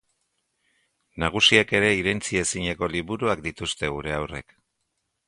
Nagusiek ere irentsi ezineko liburuak dituzte gure haurrek.